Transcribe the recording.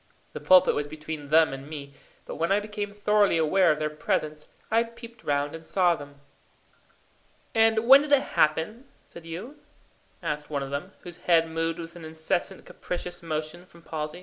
The pulpit was between them and me, but when I became thoroughly aware of their presence, I peeped round and saw them. "And when did it happen, said you?" asked one of them, whose head moved with an incessant capricious motion from palsy.